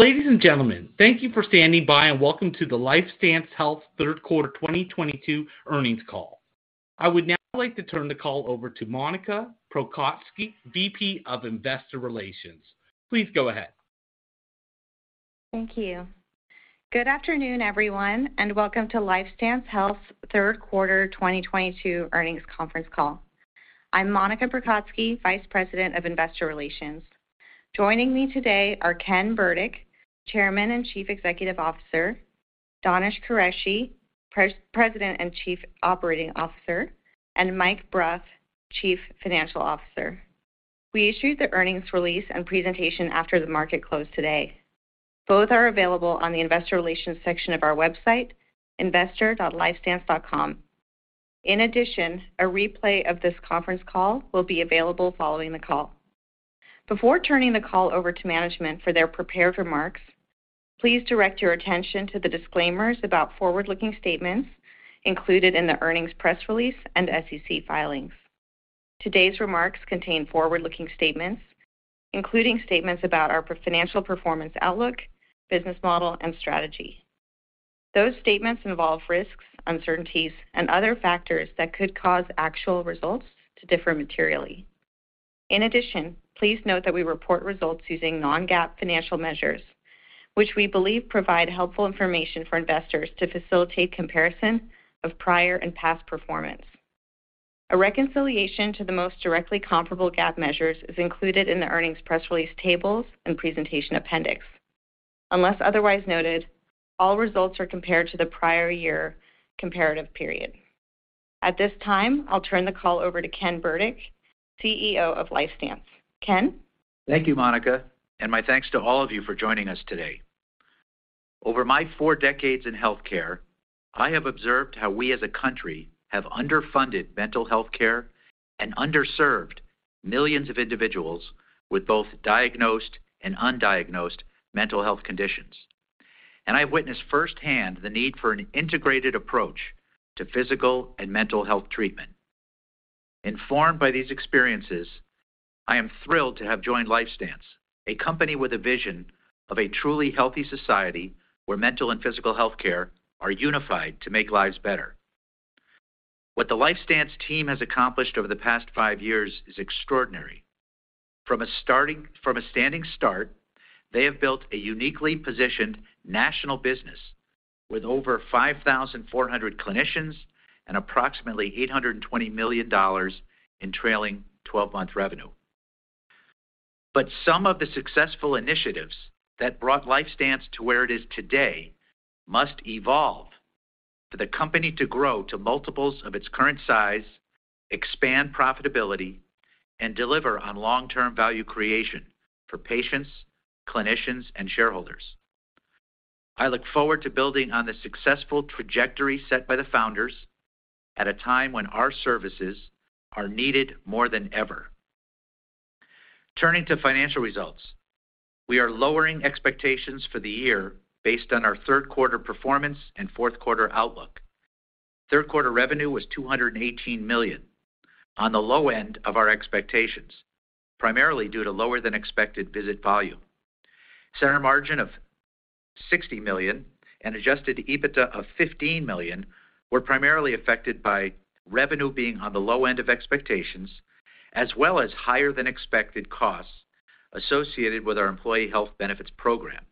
Ladies and gentlemen, thank you for standing by, welcome to the LifeStance Health Third Quarter 2022 earnings call. I would now like to turn the call over to Monica Prokocki, VP of Investor Relations. Please go ahead. Thank you. Good afternoon, everyone, welcome to LifeStance Health's third quarter 2022 earnings conference call. I'm Monica Prokocki, Vice President of Investor Relations. Joining me today are Ken Burdick, Chairman and Chief Executive Officer, Danish Qureshi, President and Chief Operating Officer, and Mike Bruff, Chief Financial Officer. We issued the earnings release and presentation after the market closed today. Both are available on the investor relations section of our website, investor.lifestance.com. A replay of this conference call will be available following the call. Before turning the call over to management for their prepared remarks, please direct your attention to the disclaimers about forward-looking statements included in the earnings press release and SEC filings. Today's remarks contain forward-looking statements, including statements about our financial performance outlook, business model, and strategy. Those statements involve risks, uncertainties, and other factors that could cause actual results to differ materially. Please note that we report results using non-GAAP financial measures, which we believe provide helpful information for investors to facilitate comparison of prior and past performance. A reconciliation to the most directly comparable GAAP measures is included in the earnings press release tables and presentation appendix. Unless otherwise noted, all results are compared to the prior year comparative period. At this time, I'll turn the call over to Ken Burdick, CEO of LifeStance. Ken? Thank you, Monica, my thanks to all of you for joining us today. Over my 4 decades in healthcare, I have observed how we as a country have underfunded mental health care and underserved millions of individuals with both diagnosed and undiagnosed mental health conditions. I've witnessed firsthand the need for an integrated approach to physical and mental health treatment. Informed by these experiences, I am thrilled to have joined LifeStance, a company with a vision of a truly healthy society where mental and physical health care are unified to make lives better. What the LifeStance team has accomplished over the past 5 years is extraordinary. From a standing start, they have built a uniquely positioned national business with over 5,400 clinicians and approximately $820 million in trailing 12-month revenue. Some of the successful initiatives that brought LifeStance to where it is today must evolve for the company to grow to multiples of its current size, expand profitability, and deliver on long-term value creation for patients, clinicians, and shareholders. I look forward to building on the successful trajectory set by the founders at a time when our services are needed more than ever. Turning to financial results, we are lowering expectations for the year based on our third quarter performance and fourth-quarter outlook. Third quarter revenue was $218 million, on the low end of our expectations, primarily due to lower-than-expected visit volume. Center margin of $60 million and adjusted EBITDA of $15 million were primarily affected by revenue being on the low end of expectations, as well as higher-than-expected costs associated with our employee health benefits program.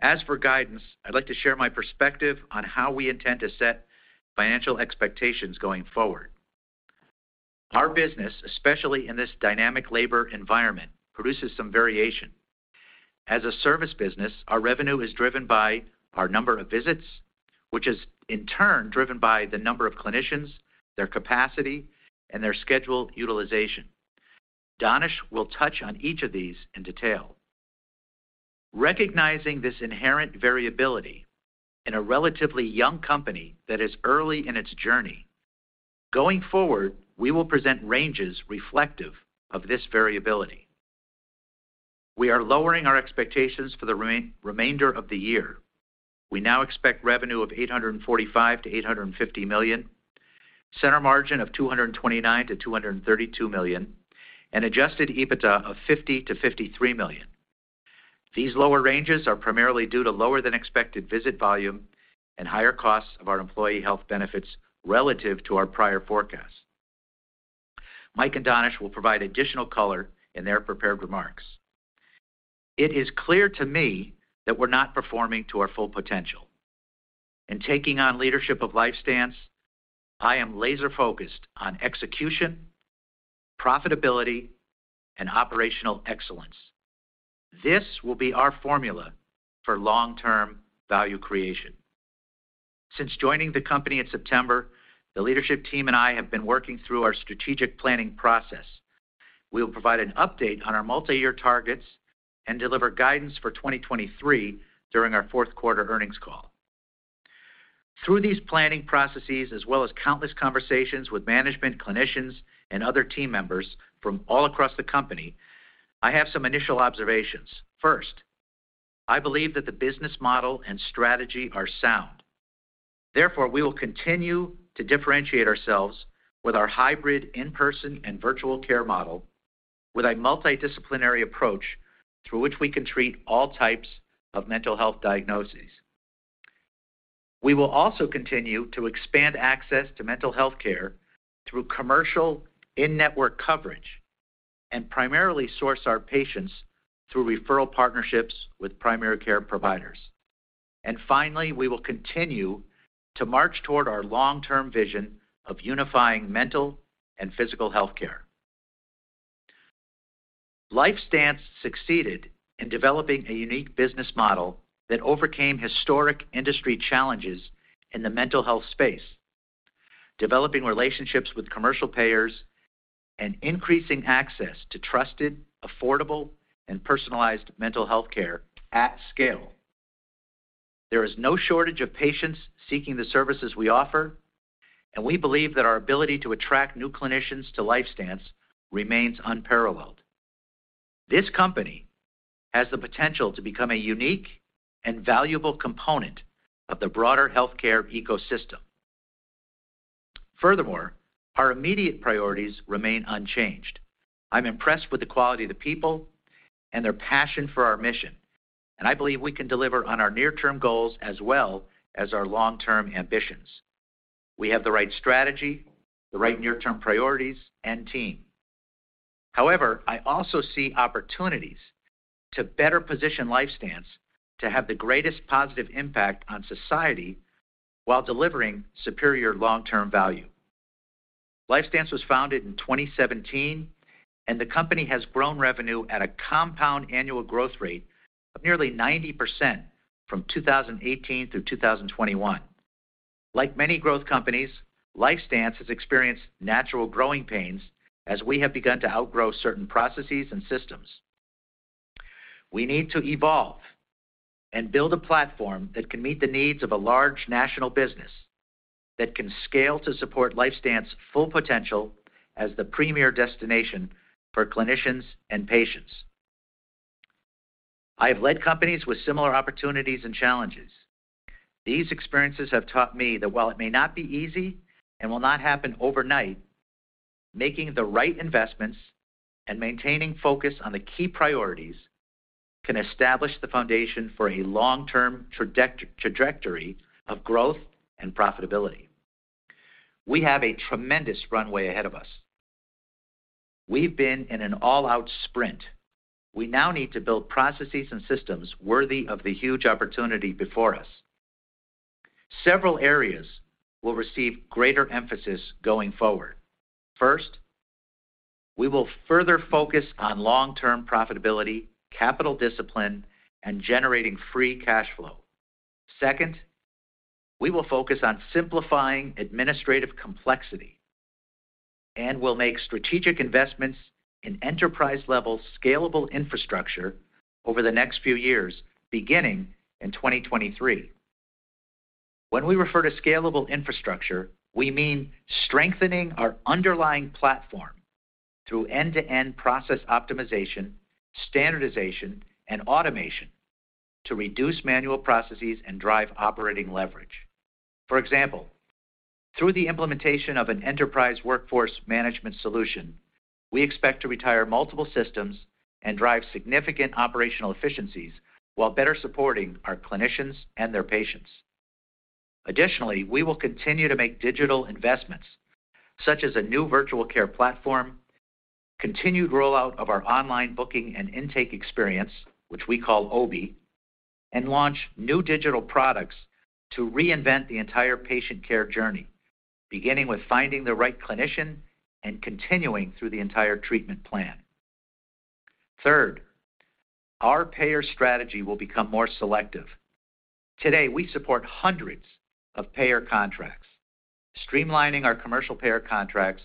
As for guidance, I'd like to share my perspective on how we intend to set financial expectations going forward. Our business, especially in this dynamic labor environment, produces some variation. As a service business, our revenue is driven by our number of visits, which is in turn driven by the number of clinicians, their capacity, and their scheduled utilization. Danish will touch on each of these in detail. Recognizing this inherent variability in a relatively young company that is early in its journey, going forward, we will present ranges reflective of this variability. We are lowering our expectations for the remainder of the year. We now expect revenue of $845 million-$850 million, center margin of $229 million-$232 million, and adjusted EBITDA of $50 million-$53 million. These lower ranges are primarily due to lower-than-expected visit volume and higher costs of our employee health benefits relative to our prior forecast. Mike and Danish will provide additional color in their prepared remarks. It is clear to me that we're not performing to our full potential. In taking on leadership of LifeStance, I am laser-focused on execution, profitability, and operational excellence. This will be our formula for long-term value creation. Since joining the company in September, the leadership team and I have been working through our strategic planning process. We will provide an update on our multiyear targets and deliver guidance for 2023 during our fourth quarter earnings call. Through these planning processes, as well as countless conversations with management, clinicians, and other team members from all across the company, I have some initial observations. First, I believe that the business model and strategy are sound. Therefore, we will continue to differentiate ourselves with our hybrid in-person and virtual care model with a multidisciplinary approach through which we can treat all types of mental health diagnoses. We will also continue to expand access to mental health care through commercial in-network coverage and primarily source our patients through referral partnerships with primary care providers. Finally, we will continue to march toward our long-term vision of unifying mental and physical healthcare. LifeStance succeeded in developing a unique business model that overcame historic industry challenges in the mental health space, developing relationships with commercial payers, and increasing access to trusted, affordable, and personalized mental health care at scale. There is no shortage of patients seeking the services we offer, and we believe that our ability to attract new clinicians to LifeStance remains unparalleled. This company has the potential to become a unique and valuable component of the broader healthcare ecosystem. Our immediate priorities remain unchanged. I'm impressed with the quality of the people and their passion for our mission, and I believe we can deliver on our near-term goals as well as our long-term ambitions. We have the right strategy, the right near-term priorities, and team. I also see opportunities to better position LifeStance to have the greatest positive impact on society while delivering superior long-term value. LifeStance was founded in 2017, and the company has grown revenue at a compound annual growth rate of nearly 90% from 2018 through 2021. Like many growth companies, LifeStance has experienced natural growing pains as we have begun to outgrow certain processes and systems. We need to evolve and build a platform that can meet the needs of a large national business that can scale to support LifeStance's full potential as the premier destination for clinicians and patients. I have led companies with similar opportunities and challenges. These experiences have taught me that while it may not be easy and will not happen overnight, making the right investments and maintaining focus on the key priorities can establish the foundation for a long-term trajectory of growth and profitability. We have a tremendous runway ahead of us. We've been in an all-out sprint. We now need to build processes and systems worthy of the huge opportunity before us. Several areas will receive greater emphasis going forward. We will further focus on long-term profitability, capital discipline, and generating free cash flow. We will focus on simplifying administrative complexity and will make strategic investments in enterprise-level scalable infrastructure over the next few years, beginning in 2023. When we refer to scalable infrastructure, we mean strengthening our underlying platform through end-to-end process optimization, standardization, and automation to reduce manual processes and drive operating leverage. For example, through the implementation of an enterprise workforce management solution, we expect to retire multiple systems and drive significant operational efficiencies while better supporting our clinicians and their patients. Additionally, we will continue to make digital investments such as a new virtual care platform, continued rollout of our online booking and intake experience, which we call OBI, and launch new digital products to reinvent the entire patient care journey, beginning with finding the right clinician and continuing through the entire treatment plan. Our payer strategy will become more selective. Today, we support hundreds of payer contracts. Streamlining our commercial payer contracts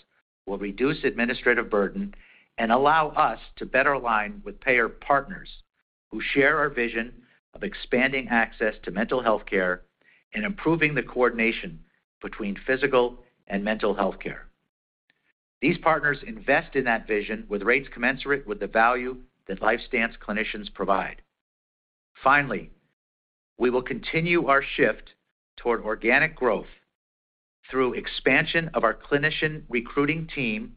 will reduce administrative burden and allow us to better align with payer partners who share our vision of expanding access to mental health care and improving the coordination between physical and mental health care. These partners invest in that vision with rates commensurate with the value that LifeStance clinicians provide. We will continue our shift toward organic growth through expansion of our clinician recruiting team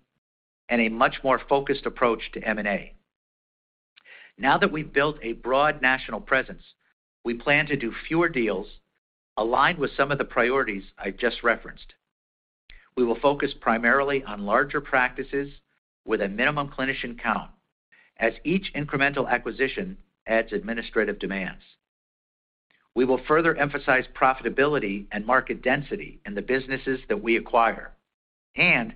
and a much more focused approach to M&A. Now that we've built a broad national presence, we plan to do fewer deals aligned with some of the priorities I just referenced. We will focus primarily on larger practices with a minimum clinician count, as each incremental acquisition adds administrative demands. We will further emphasize profitability and market density in the businesses that we acquire, and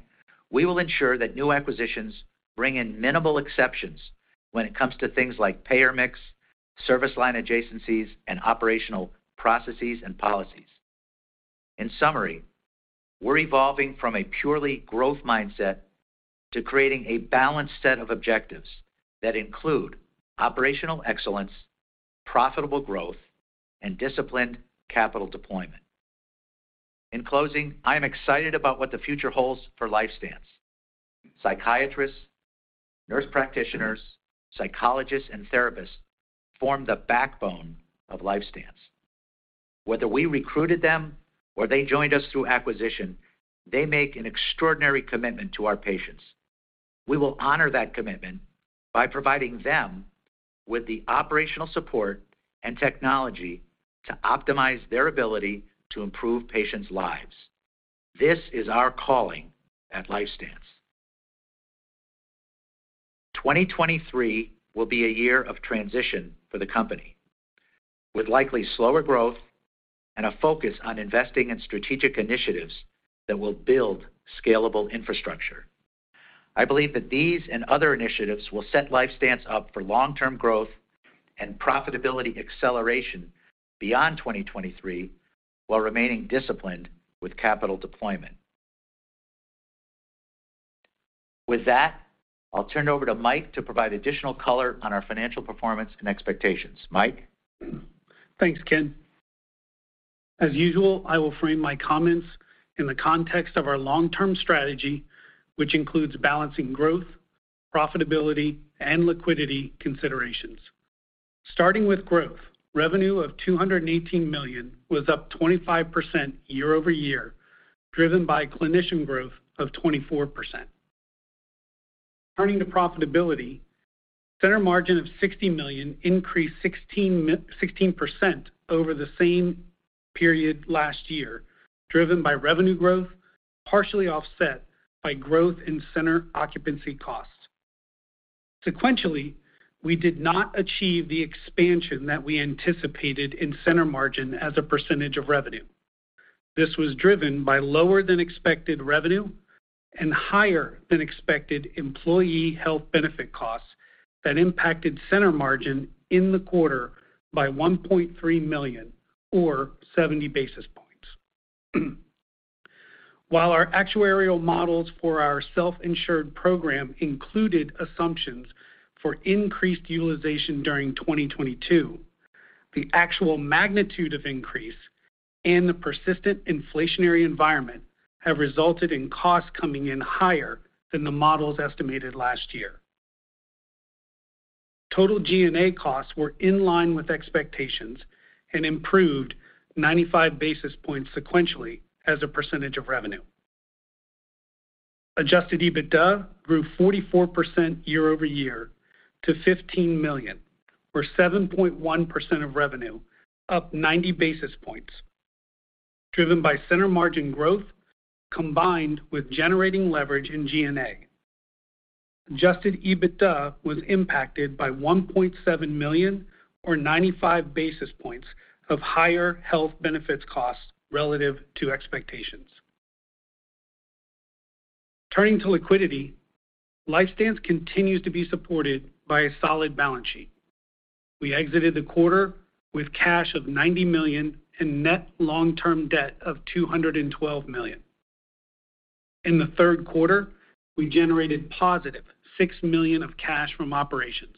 we will ensure that new acquisitions bring in minimal exceptions when it comes to things like payer mix, service line adjacencies, and operational processes and policies. In summary, we're evolving from a purely growth mindset to creating a balanced set of objectives that include operational excellence, profitable growth, and disciplined capital deployment. In closing, I am excited about what the future holds for LifeStance. Psychiatrists, nurse practitioners, psychologists, and therapists form the backbone of LifeStance. Whether we recruited them or they joined us through acquisition, they make an extraordinary commitment to our patients. We will honor that commitment by providing them with the operational support and technology to optimize their ability to improve patients' lives. This is our calling at LifeStance. 2023 will be a year of transition for the company, with likely slower growth and a focus on investing in strategic initiatives that will build scalable infrastructure. I believe that these and other initiatives will set LifeStance up for long-term growth and profitability acceleration beyond 2023, while remaining disciplined with capital deployment. With that, I'll turn it over to Mike to provide additional color on our financial performance and expectations. Mike? Thanks, Ken. As usual, I will frame my comments in the context of our long-term strategy, which includes balancing growth, profitability, and liquidity considerations. Starting with growth, revenue of $218 million was up 25% year-over-year, driven by clinician growth of 24%. Turning to profitability, center margin of $60 million increased 16% over the same period last year, driven by revenue growth, partially offset by growth in center occupancy costs. Sequentially, we did not achieve the expansion that we anticipated in center margin as a percentage of revenue. This was driven by lower than expected revenue and higher than expected employee health benefit costs that impacted center margin in the quarter by $1.3 million, or 70 basis points. While our actuarial models for our self-insured program included assumptions for increased utilization during 2022, the actual magnitude of increase and the persistent inflationary environment have resulted in costs coming in higher than the models estimated last year. Total G&A costs were in line with expectations and improved 95 basis points sequentially as a percentage of revenue. Adjusted EBITDA grew 44% year-over-year to $15 million, or 7.1% of revenue, up 90 basis points, driven by center margin growth combined with generating leverage in G&A. Adjusted EBITDA was impacted by $1.7 million, or 95 basis points, of higher health benefits costs relative to expectations. Turning to liquidity, LifeStance continues to be supported by a solid balance sheet. We exited the quarter with cash of $90 million and net long-term debt of $212 million. In the third quarter, we generated positive $6 million of cash from operations.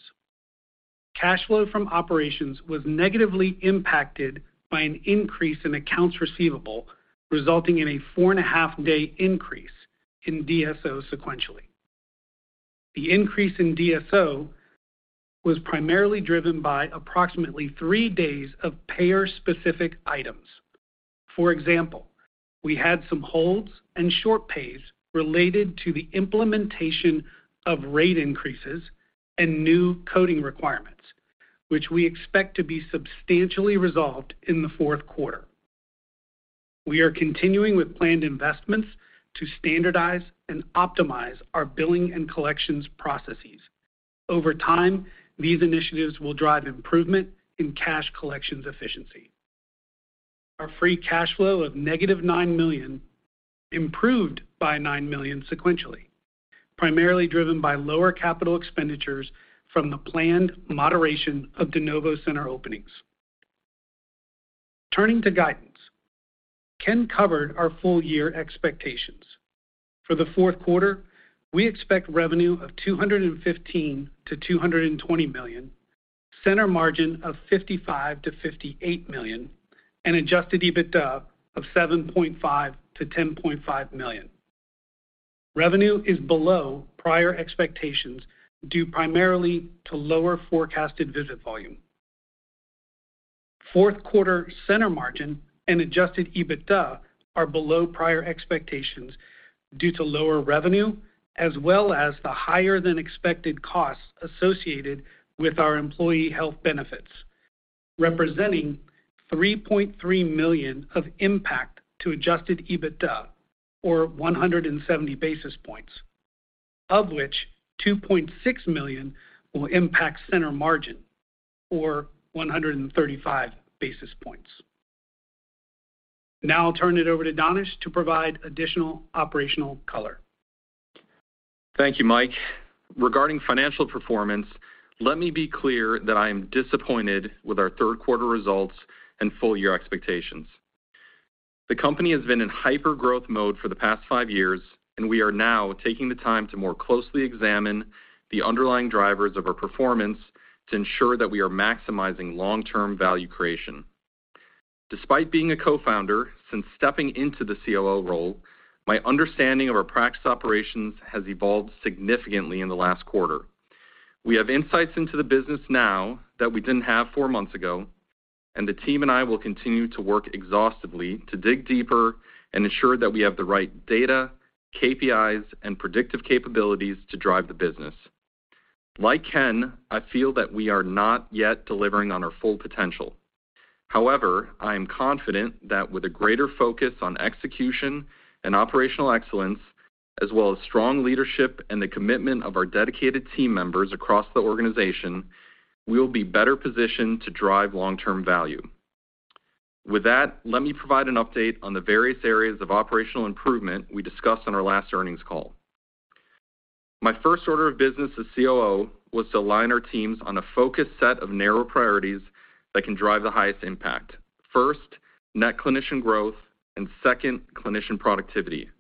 Cash flow from operations was negatively impacted by an increase in accounts receivable, resulting in a four-and-a-half day increase in DSO sequentially. The increase in DSO was primarily driven by approximately three days of payer-specific items. For example, we had some holds and short pays related to the implementation of rate increases and new coding requirements, which we expect to be substantially resolved in the fourth quarter. We are continuing with planned investments to standardize and optimize our billing and collections processes. Over time, these initiatives will drive improvement in cash collections efficiency. Our free cash flow of negative $9 million improved by $9 million sequentially, primarily driven by lower capital expenditures from the planned moderation of de novo center openings. Turning to guidance, Ken covered our full year expectations. For the fourth quarter, we expect revenue of $215 million-$220 million, center margin of $55 million-$58 million, and adjusted EBITDA of $7.5 million-$10.5 million. Revenue is below prior expectations due primarily to lower forecasted visit volume. Fourth quarter center margin and adjusted EBITDA are below prior expectations due to lower revenue as well as the higher than expected costs associated with our employee health benefits, representing $3.3 million of impact to adjusted EBITDA, or 170 basis points, of which $2.6 million will impact center margin, or 135 basis points. Now I'll turn it over to Danish to provide additional operational color. Thank you, Mike. Regarding financial performance, let me be clear that I am disappointed with our third quarter results and full year expectations. The company has been in hyper-growth mode for the past five years, and we are now taking the time to more closely examine the underlying drivers of our performance to ensure that we are maximizing long-term value creation. Despite being a co-founder, since stepping into the COO role, my understanding of our practice operations has evolved significantly in the last quarter. We have insights into the business now that we didn't have four months ago, and the team and I will continue to work exhaustively to dig deeper and ensure that we have the right data, KPIs, and predictive capabilities to drive the business. Like Ken, I feel that we are not yet delivering on our full potential. However, I am confident that with a greater focus on execution and operational excellence, as well as strong leadership and the commitment of our dedicated team members across the organization, we will be better positioned to drive long-term value. With that, let me provide an update on the various areas of operational improvement we discussed on our last earnings call. My first order of business as COO was to align our teams on a focused set of narrow priorities that can drive the highest impact. First, net clinician growth, and second, clinician productivity.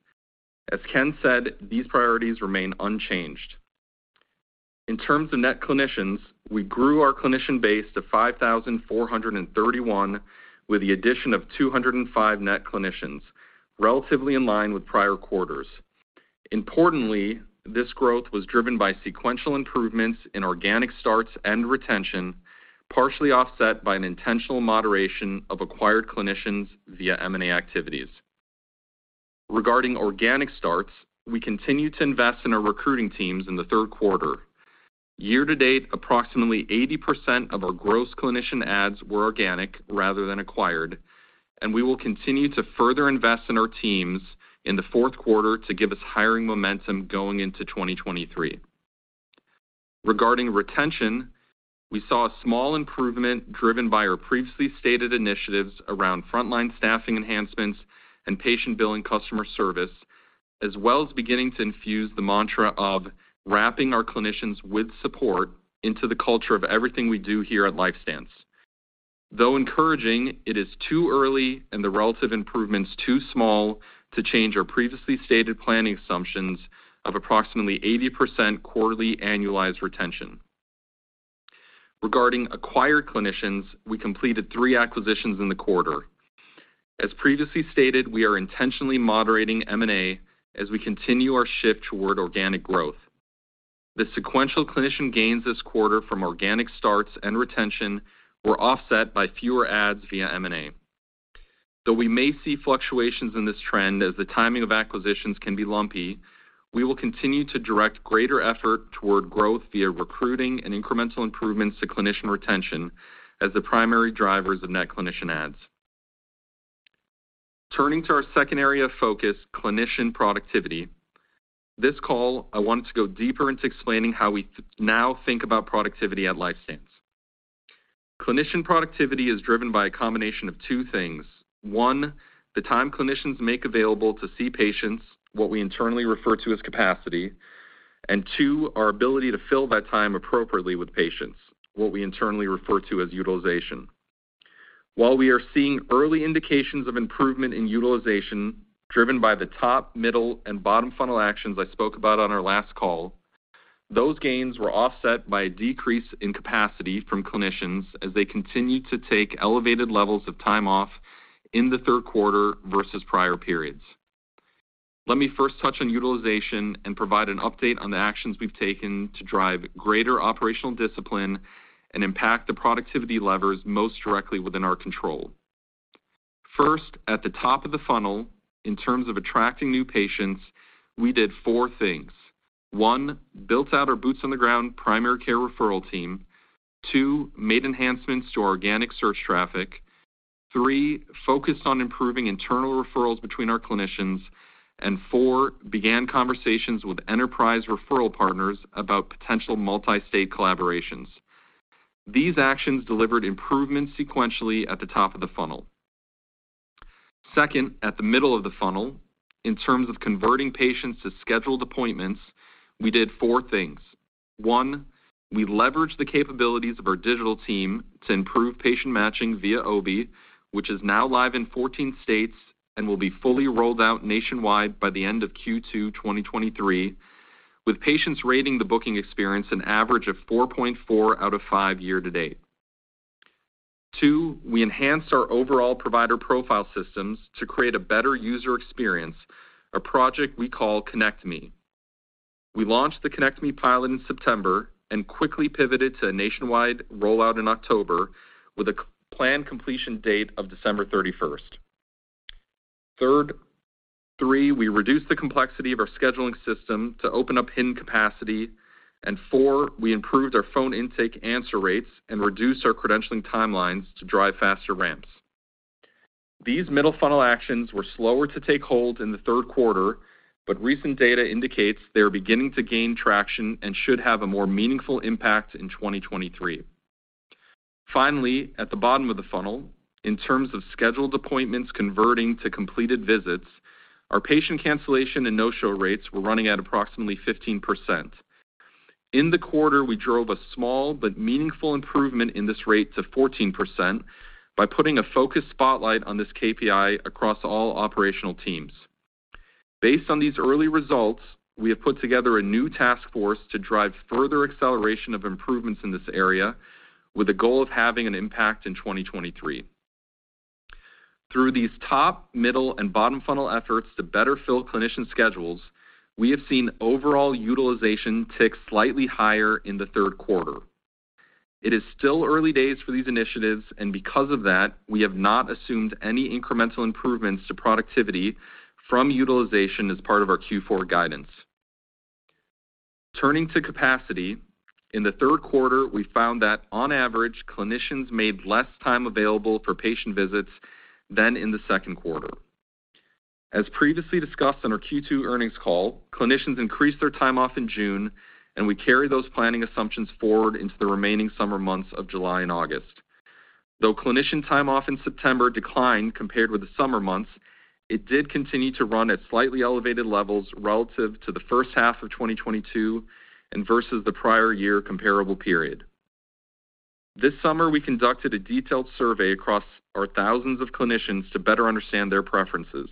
As Ken said, these priorities remain unchanged. In terms of net clinicians, we grew our clinician base to 5,431 with the addition of 205 net clinicians, relatively in line with prior quarters. Importantly, this growth was driven by sequential improvements in organic starts and retention, partially offset by an intentional moderation of acquired clinicians via M&A activities. Regarding organic starts, we continued to invest in our recruiting teams in the third quarter. Year-to-date, approximately 80% of our gross clinician adds were organic rather than acquired, and we will continue to further invest in our teams in the fourth quarter to give us hiring momentum going into 2023. Regarding retention, we saw a small improvement driven by our previously stated initiatives around frontline staffing enhancements and patient billing customer service, as well as beginning to infuse the mantra of wrapping our clinicians with support into the culture of everything we do here at LifeStance. Though encouraging, it is too early and the relative improvements too small to change our previously stated planning assumptions of approximately 80% quarterly annualized retention. Regarding acquired clinicians, we completed 3 acquisitions in the quarter. As previously stated, we are intentionally moderating M&A as we continue our shift toward organic growth. The sequential clinician gains this quarter from organic starts and retention were offset by fewer adds via M&A. Though we may see fluctuations in this trend, as the timing of acquisitions can be lumpy, we will continue to direct greater effort toward growth via recruiting and incremental improvements to clinician retention as the primary drivers of net clinician adds. Turning to our second area of focus, clinician productivity. This call, I wanted to go deeper into explaining how we now think about productivity at LifeStance. Clinician productivity is driven by a combination of two things. One, the time clinicians make available to see patients, what we internally refer to as capacity, and two, our ability to fill that time appropriately with patients, what we internally refer to as utilization. While we are seeing early indications of improvement in utilization driven by the top, middle, and bottom funnel actions I spoke about on our last call, those gains were offset by a decrease in capacity from clinicians as they continued to take elevated levels of time off in the third quarter versus prior periods. Let me first touch on utilization and provide an update on the actions we've taken to drive greater operational discipline and impact the productivity levers most directly within our control. First, at the top of the funnel, in terms of attracting new patients, we did four things. One, built out our boots-on-the-ground primary care referral team. Two, made enhancements to our organic search traffic. Three, focused on improving internal referrals between our clinicians, and four, began conversations with enterprise referral partners about potential multi-state collaborations. These actions delivered improvements sequentially at the top of the funnel. Second, at the middle of the funnel, in terms of converting patients to scheduled appointments, we did four things. One, we leveraged the capabilities of our digital team to improve patient matching via OBIE, which is now live in 14 states and will be fully rolled out nationwide by the end of Q2 2023, with patients rating the booking experience an average of 4.4 out of five year-to-date. Two, we enhanced our overall provider profile systems to create a better user experience, a project we call Connect Me. We launched the Connect Me pilot in September and quickly pivoted to a nationwide rollout in October with a planned completion date of December 31st. Three, we reduced the complexity of our scheduling system to open up hidden capacity, and four, we improved our phone intake answer rates and reduced our credentialing timelines to drive faster ramps. These middle funnel actions were slower to take hold in the third quarter, but recent data indicates they are beginning to gain traction and should have a more meaningful impact in 2023. Finally, at the bottom of the funnel, in terms of scheduled appointments converting to completed visits, our patient cancellation and no-show rates were running at approximately 15%. In the quarter, we drove a small but meaningful improvement in this rate to 14% by putting a focused spotlight on this KPI across all operational teams. Based on these early results, we have put together a new task force to drive further acceleration of improvements in this area, with a goal of having an impact in 2023. Through these top, middle, and bottom funnel efforts to better fill clinician schedules, we have seen overall utilization tick slightly higher in the third quarter. It is still early days for these initiatives. Because of that, we have not assumed any incremental improvements to productivity from utilization as part of our Q4 guidance. Turning to capacity, in the third quarter, we found that on average, clinicians made less time available for patient visits than in the second quarter. As previously discussed on our Q2 earnings call, clinicians increased their time off in June. We carry those planning assumptions forward into the remaining summer months of July and August. Though clinician time off in September declined compared with the summer months, it did continue to run at slightly elevated levels relative to the first half of 2022 and versus the prior year comparable period. This summer, we conducted a detailed survey across our thousands of clinicians to better understand their preferences.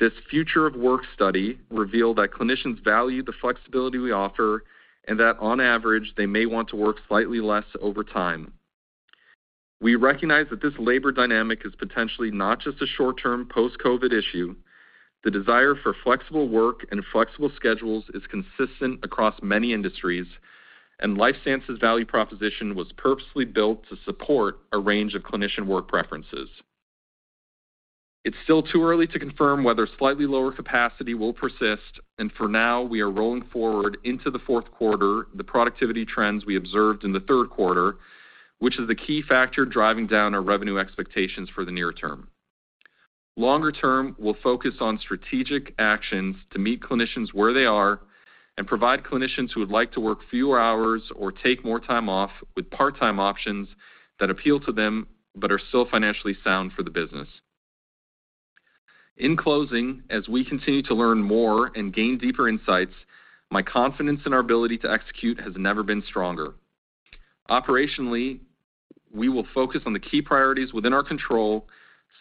This future of work study revealed that clinicians value the flexibility we offer and that, on average, they may want to work slightly less over time. We recognize that this labor dynamic is potentially not just a short-term post-COVID issue. The desire for flexible work and flexible schedules is consistent across many industries. LifeStance's value proposition was purposely built to support a range of clinician work preferences. It's still too early to confirm whether slightly lower capacity will persist. For now, we are rolling forward into the fourth quarter the productivity trends we observed in the third quarter, which is the key factor driving down our revenue expectations for the near term. Longer term, we'll focus on strategic actions to meet clinicians where they are and provide clinicians who would like to work fewer hours or take more time off with part-time options that appeal to them, but are still financially sound for the business. In closing, as we continue to learn more and gain deeper insights, my confidence in our ability to execute has never been stronger. Operationally, we will focus on the key priorities within our control,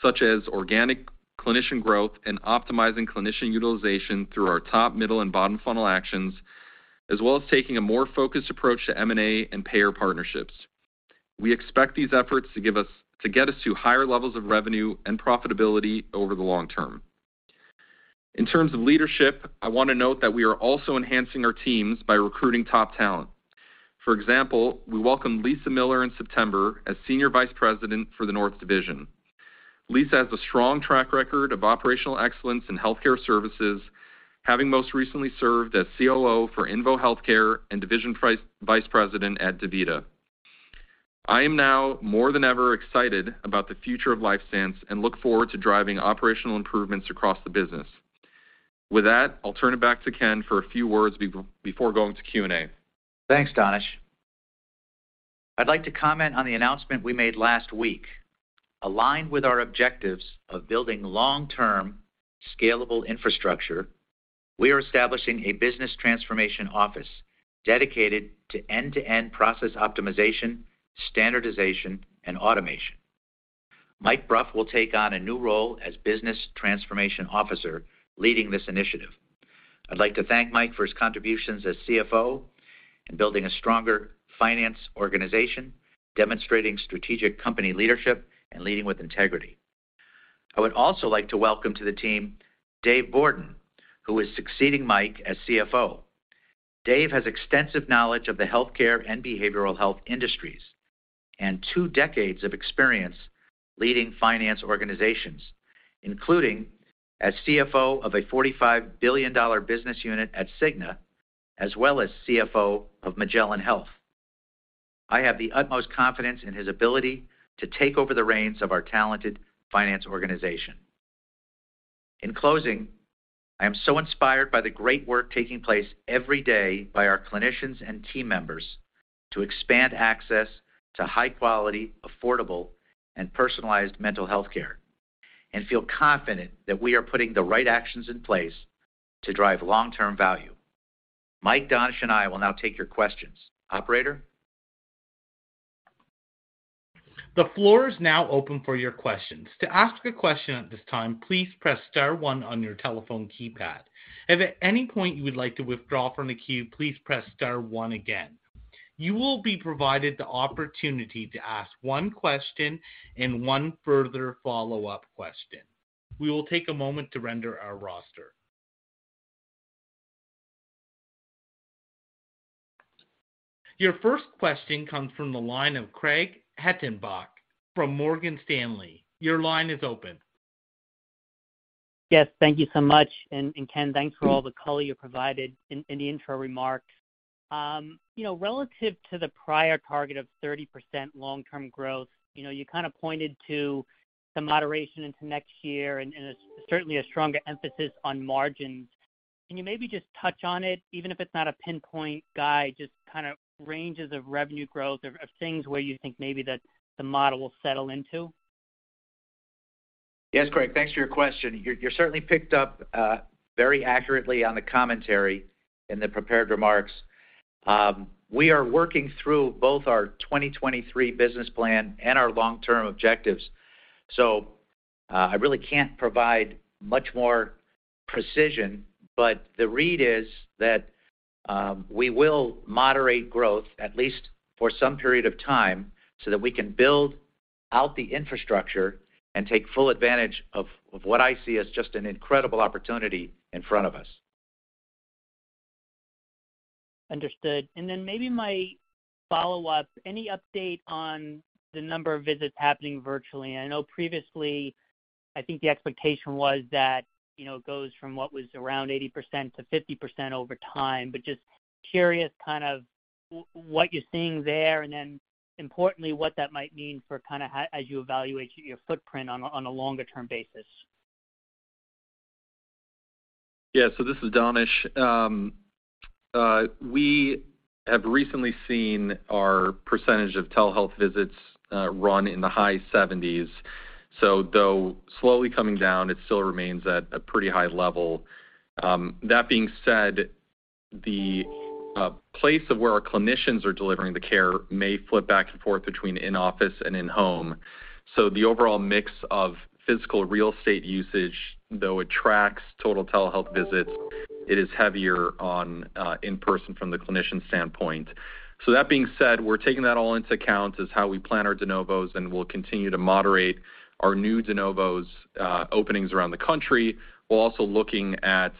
such as organic clinician growth and optimizing clinician utilization through our top, middle, and bottom funnel actions, as well as taking a more focused approach to M&A and payer partnerships. We expect these efforts to get us to higher levels of revenue and profitability over the long term. In terms of leadership, I want to note that we are also enhancing our teams by recruiting top talent. For example, we welcomed Lisa Miller in September as Senior Vice President for the North Division. Lisa has a strong track record of operational excellence in healthcare services, having most recently served as COO for Invo Healthcare and Division Vice President at DaVita. I am now more than ever excited about the future of LifeStance and look forward to driving operational improvements across the business. With that, I'll turn it back to Ken for a few words before going to Q&A. Thanks, Danish. I'd like to comment on the announcement we made last week. Aligned with our objectives of building long-term, scalable infrastructure, we are establishing a Business Transformation Office dedicated to end-to-end process optimization, standardization, and automation. Mike Bruff will take on a new role as Business Transformation Officer leading this initiative. I'd like to thank Mike for his contributions as CFO in building a stronger finance organization, demonstrating strategic company leadership, and leading with integrity. I would also like to welcome to the team Dave Borden, who is succeeding Mike as CFO. Dave has extensive knowledge of the healthcare and behavioral health industries and two decades of experience leading finance organizations, including as CFO of a $45 billion business unit at Cigna, as well as CFO of Magellan Health. I have the utmost confidence in his ability to take over the reins of our talented finance organization. In closing, I am so inspired by the great work taking place every day by our clinicians and team members to expand access to high quality, affordable, and personalized mental health care and feel confident that we are putting the right actions in place to drive long-term value. Mike, Danish, and I will now take your questions. Operator? The floor is now open for your questions. To ask a question at this time, please press star one on your telephone keypad. If at any point you would like to withdraw from the queue, please press star one again. You will be provided the opportunity to ask one question and one further follow-up question. We will take a moment to render our roster. Your first question comes from the line of Craig Hettenbach from Morgan Stanley. Your line is open. Yes. Thank you so much. Ken, thanks for all the color you provided in the intro remarks. Relative to the prior target of 30% long-term growth, you kind of pointed to some moderation into next year, and it's certainly a stronger emphasis on margins. Can you maybe just touch on it, even if it's not a pinpoint guide, just kind of ranges of revenue growth of things where you think maybe that the model will settle into? Yes, Craig, thanks for your question. You certainly picked up very accurately on the commentary in the prepared remarks. We are working through both our 2023 business plan and our long-term objectives. I really can't provide much more precision, but the read is that we will moderate growth, at least for some period of time, so that we can build out the infrastructure and take full advantage of what I see as just an incredible opportunity in front of us. Understood. Then maybe my follow-up, any update on the number of visits happening virtually? I know previously, I think the expectation was that it goes from what was around 80% to 50% over time. Just curious what you're seeing there, and then importantly, what that might mean as you evaluate your footprint on a longer-term basis. Yeah. This is Danish. We have recently seen our percentage of telehealth visits run in the high 70s. Though slowly coming down, it still remains at a pretty high level. That being said, the place of where our clinicians are delivering the care may flip back and forth between in-office and in-home. The overall mix of physical real estate usage, though it tracks total telehealth visits, it is heavier on in-person from the clinician standpoint. That being said, we're taking that all into account as how we plan our de novos, and we'll continue to moderate our new de novos openings around the country. We're also looking at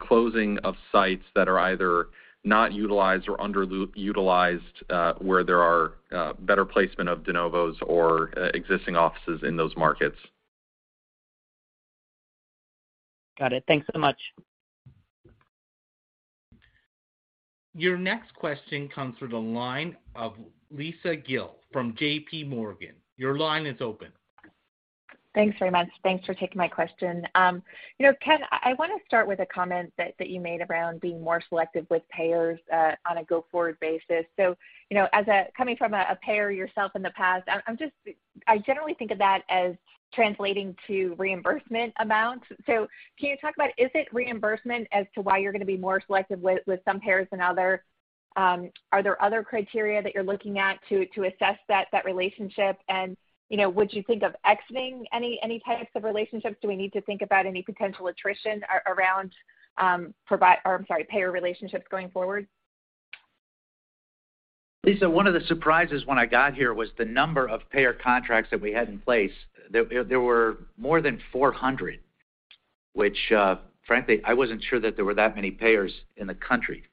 closing of sites that are either not utilized or underutilized, where there are better placement of de novos or existing offices in those markets. Got it. Thanks so much. Your next question comes through the line of Lisa Gill from J.P. Morgan. Your line is open. Thanks very much. Thanks for taking my question. Ken, I want to start with a comment that you made around being more selective with payers on a go-forward basis. Coming from a payer yourself in the past, I generally think of that as translating to reimbursement amounts. Can you talk about, is it reimbursement as to why you're going to be more selective with some payers than others? Are there other criteria that you're looking at to assess that relationship? Would you think of exiting any types of relationships? Do we need to think about any potential attrition around payer relationships going forward? Lisa, one of the surprises when I got here was the number of payer contracts that we had in place. There were more than 400, which, frankly, I wasn't sure that there were that many payers in the country.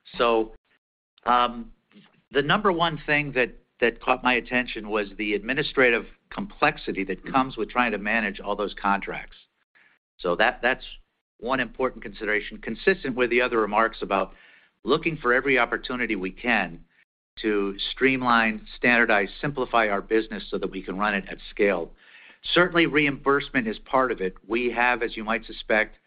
The number one thing that caught my attention was the administrative complexity that comes with trying to manage all those contracts. That's one important consideration, consistent with the other remarks about looking for every opportunity we can to streamline, standardize, simplify our business so that we can run it at scale. Certainly, reimbursement is part of it. We have, as you might suspect,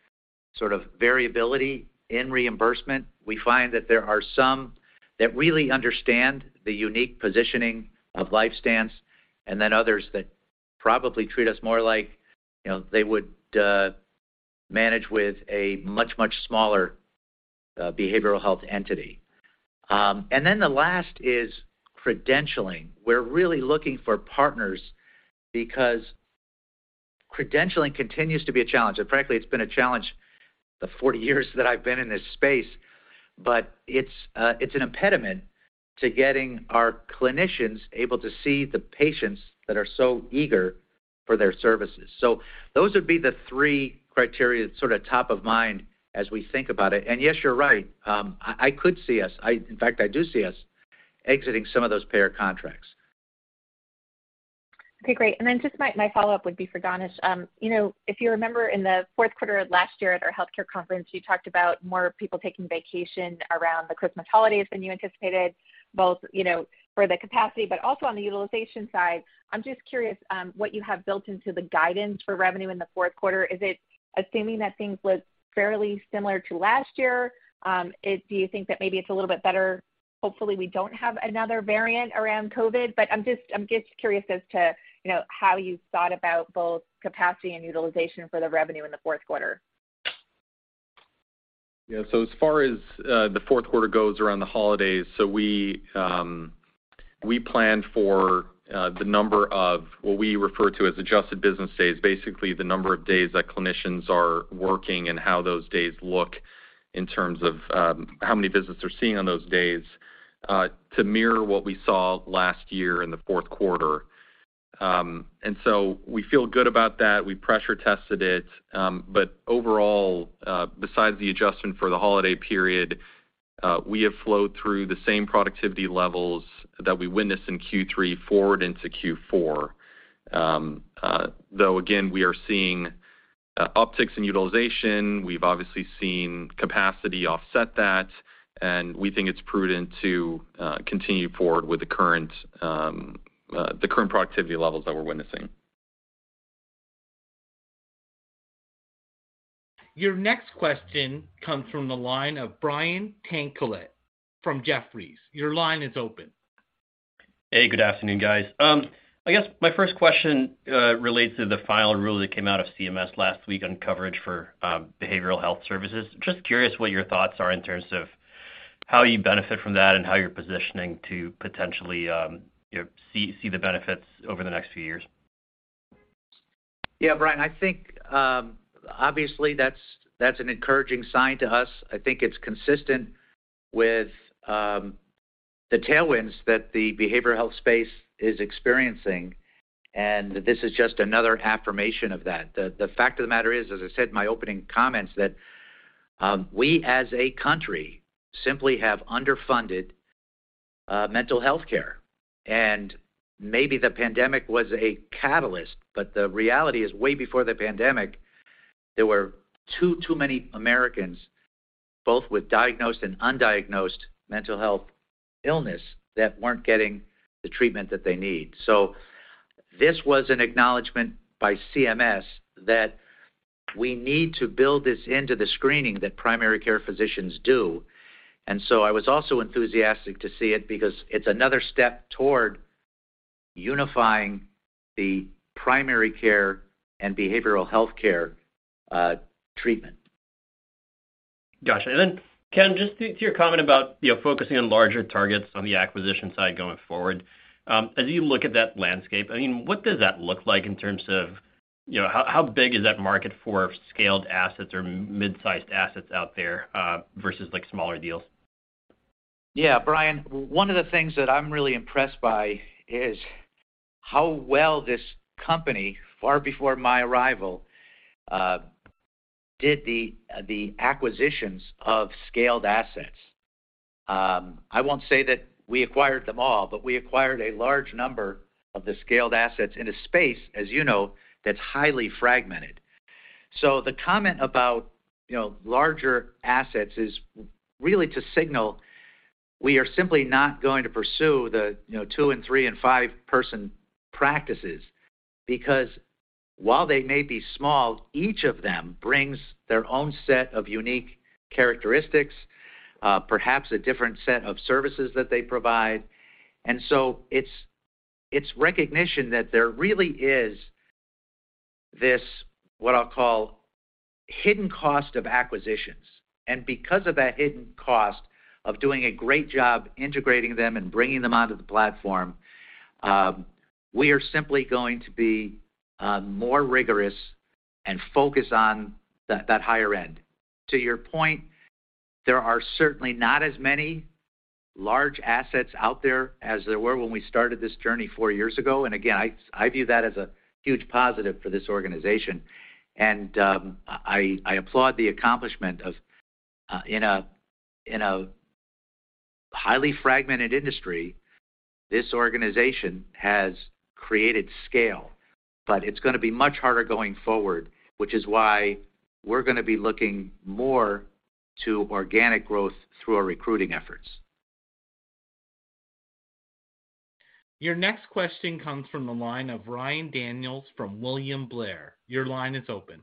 sort of variability in reimbursement. We find that there are some that really understand the unique positioning of LifeStance, and then others that probably treat us more like they would manage with a much smaller behavioral health entity. The last is credentialing. We're really looking for partners because credentialing continues to be a challenge. Frankly, it's been a challenge the 40 years that I've been in this space. It's an impediment to getting our clinicians able to see the patients that are so eager for their services. Those would be the three criteria that's sort of top of mind as we think about it. Yes, you're right. I could see us, in fact, I do see us exiting some of those payer contracts. Okay, great. Just my follow-up would be for Danish. If you remember in the fourth quarter of last year at our healthcare conference, you talked about more people taking vacation around the Christmas holidays than you anticipated, both for the capacity, but also on the utilization side. I'm just curious what you have built into the guidance for revenue in the fourth quarter. Is it assuming that things look fairly similar to last year? Do you think that maybe it's a little bit better? Hopefully, we don't have another variant around COVID. I'm just curious as to how you thought about both capacity and utilization for the revenue in the fourth quarter. As far as the fourth quarter goes around the holidays, we plan for the number of what we refer to as adjusted business days, basically the number of days that clinicians are working and how those days look in terms of how many visits they're seeing on those days, to mirror what we saw last year in the fourth quarter. We feel good about that. We pressure tested it. Overall, besides the adjustment for the holiday period, we have flowed through the same productivity levels that we witnessed in Q3 forward into Q4. Again, we are seeing upticks in utilization. We've obviously seen capacity offset that, and we think it's prudent to continue forward with the current productivity levels that we're witnessing. Your next question comes from the line of Brian Tanquilut from Jefferies. Your line is open. Hey, good afternoon, guys. I guess my first question relates to the final rule that came out of CMS last week on coverage for behavioral health services. Just curious what your thoughts are in terms of how you benefit from that and how you're positioning to potentially see the benefits over the next few years. Yeah, Brian, I think, obviously, that's an encouraging sign to us. I think it's consistent with the tailwinds that the behavioral health space is experiencing. This is just another affirmation of that. The fact of the matter is, as I said in my opening comments, that we, as a country, simply have underfunded mental health care. Maybe the pandemic was a catalyst, but the reality is, way before the pandemic, there were too many Americans, both with diagnosed and undiagnosed mental health illness, that weren't getting the treatment that they need. This was an acknowledgement by CMS that we need to build this into the screening that primary care physicians do. I was also enthusiastic to see it because it's another step toward unifying the primary care and behavioral health care treatment. Got you. Ken, just to your comment about focusing on larger targets on the acquisition side going forward, as you look at that landscape, what does that look like in terms of how big is that market for scaled assets or mid-sized assets out there, versus smaller deals? Yeah, Brian, one of the things that I'm really impressed by is how well this company, far before my arrival, did the acquisitions of scaled assets. I won't say that we acquired them all, but we acquired a large number of the scaled assets in a space, as you know, that's highly fragmented. The comment about larger assets is really to signal we are simply not going to pursue the two and three and five-person practices. While they may be small, each of them brings their own set of unique characteristics, perhaps a different set of services that they provide. It's recognition that there really is this, what I'll call hidden cost of acquisitions. Because of that hidden cost of doing a great job integrating them and bringing them onto the platform, we are simply going to be more rigorous and focus on that higher end. To your point, there are certainly not as many large assets out there as there were when we started this journey 4 years ago, and again, I view that as a huge positive for this organization. I applaud the accomplishment of, in a highly fragmented industry, this organization has created scale, but it's going to be much harder going forward, which is why we're going to be looking more to organic growth through our recruiting efforts. Your next question comes from the line of Ryan Daniels from William Blair. Your line is open.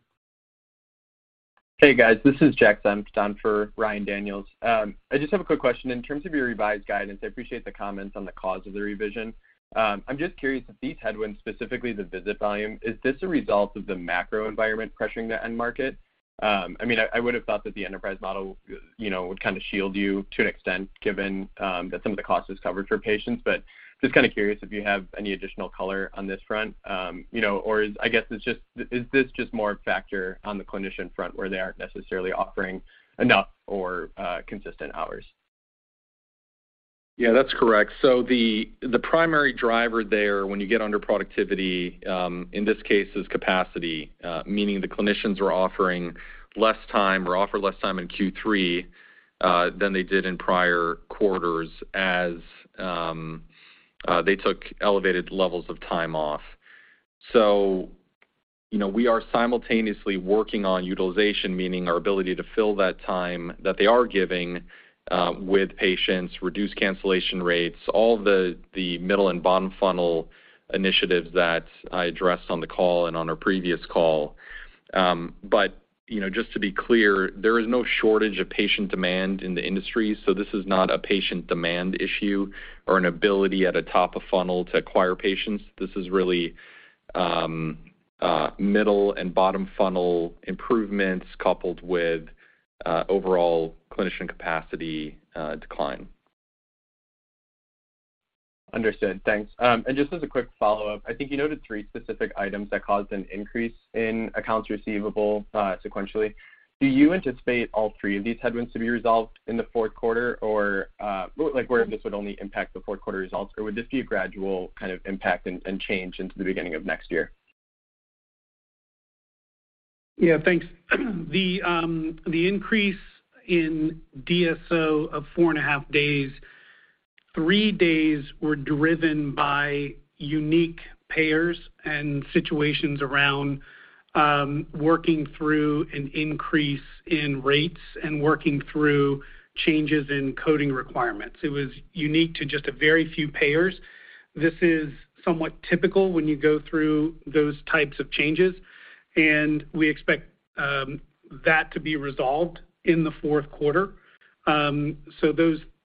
Hey, guys. This is Jack Zampolin on for Ryan Daniels. I just have a quick question. In terms of your revised guidance, I appreciate the comments on the cause of the revision. I'm just curious if these headwinds, specifically the visit volume, is this a result of the macro environment pressuring the end market? I would have thought that the enterprise model would kind of shield you to an extent, given that some of the cost is covered for patients. Just kind of curious if you have any additional color on this front, or I guess, is this just more a factor on the clinician front where they aren't necessarily offering enough or consistent hours? Yeah, that's correct. The primary driver there when you get under productivity, in this case, is capacity, meaning the clinicians were offering less time or offered less time in Q3 than they did in prior quarters as they took elevated levels of time off. We are simultaneously working on utilization, meaning our ability to fill that time that they are giving with patients, reduce cancellation rates, all the middle and bottom funnel initiatives that I addressed on the call and on our previous call. Just to be clear, there is no shortage of patient demand in the industry. This is not a patient demand issue or an ability at a top of funnel to acquire patients. This is really middle and bottom funnel improvements coupled with overall clinician capacity decline. Understood. Thanks. Just as a quick follow-up, I think you noted three specific items that caused an increase in accounts receivable sequentially. Do you anticipate all three of these headwinds to be resolved in the fourth quarter or where this would only impact the fourth quarter results? Or would this be a gradual kind of impact and change into the beginning of next year? Yeah, thanks. The increase in DSO of four and a half days, three days were driven by unique payers and situations around working through an increase in rates and working through changes in coding requirements. It was unique to just a very few payers. This is somewhat typical when you go through those types of changes, and we expect that to be resolved in the fourth quarter.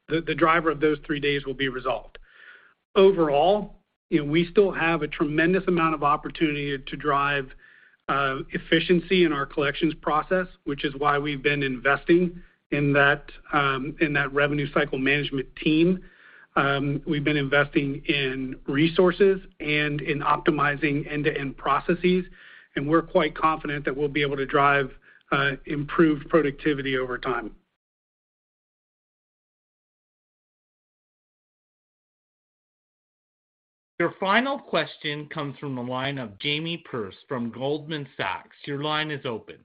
The driver of those three days will be resolved. Overall, we still have a tremendous amount of opportunity to drive efficiency in our collections process, which is why we've been investing in that revenue cycle management team. We've been investing in resources and in optimizing end-to-end processes. We're quite confident that we'll be able to drive improved productivity over time. Your final question comes from the line of Jamie Perse from Goldman Sachs. Your line is open.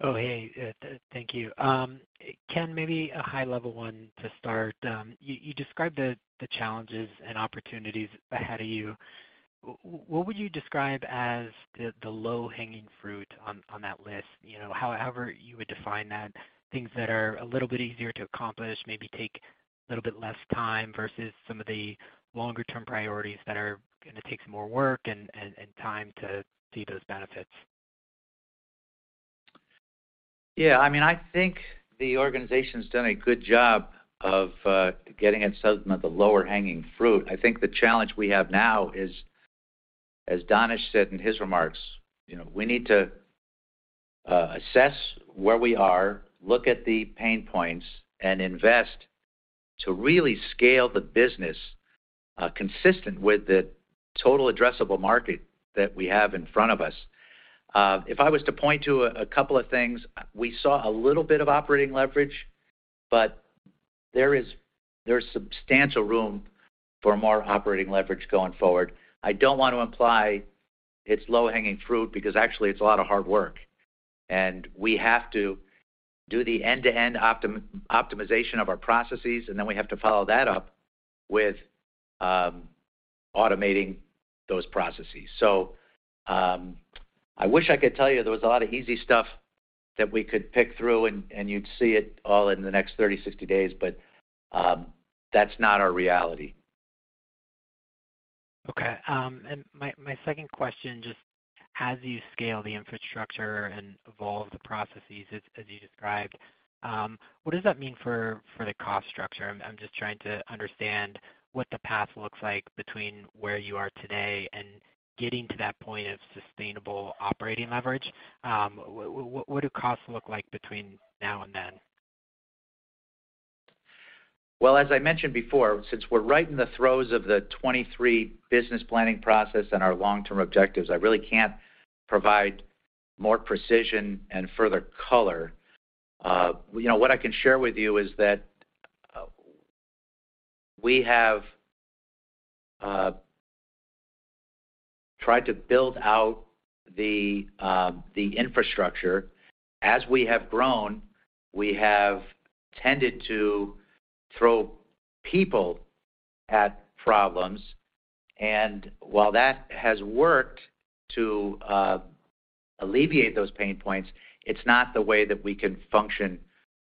Hey. Thank you. Ken, maybe a high-level one to start. You described the challenges and opportunities ahead of you. What would you describe as the low-hanging fruit on that list? However you would define that, things that are a little bit easier to accomplish, maybe take a little bit less time, versus some of the longer-term priorities that are going to take some more work and time to see those benefits. I think the organization's done a good job of getting at some of the lower-hanging fruit. I think the challenge we have now is, as Danish said in his remarks, we need to assess where we are, look at the pain points, and invest to really scale the business consistent with the total addressable market that we have in front of us. If I was to point to a couple of things, we saw a little bit of operating leverage, but there's substantial room for more operating leverage going forward. I don't want to imply it's low-hanging fruit, because actually it's a lot of hard work, and we have to do the end-to-end optimization of our processes, and then we have to follow that up with automating those processes. I wish I could tell you there was a lot of easy stuff that we could pick through and you'd see it all in the next 30, 60 days, but that's not our reality. Okay. My second question, just as you scale the infrastructure and evolve the processes as you described, what does that mean for the cost structure? I'm just trying to understand what the path looks like between where you are today and getting to that point of sustainable operating leverage. What do costs look like between now and then? Well, as I mentioned before, since we're right in the throes of the 2023 business planning process and our long-term objectives, I really can't provide more precision and further color. What I can share with you is that we have tried to build out the infrastructure. As we have grown, we have tended to throw people at problems. While that has worked to alleviate those pain points, it's not the way that we can function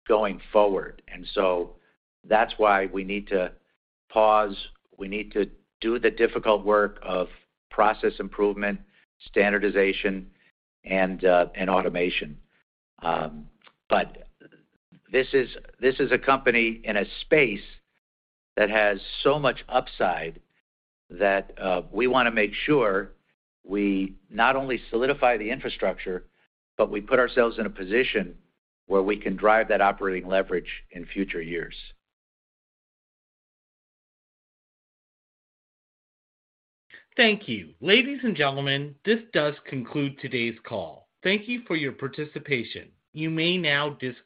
going forward. That's why we need to pause. We need to do the difficult work of process improvement, standardization, and automation. This is a company in a space that has so much upside that we want to make sure we not only solidify the infrastructure, but we put ourselves in a position where we can drive that operating leverage in future years. Thank you. Ladies and gentlemen, this does conclude today's call. Thank you for your participation. You may now disconnect.